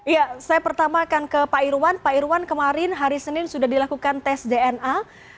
ya saya pertama akan ke pak irwan pak irwan kemarin hari senin sudah dilakukan tes dna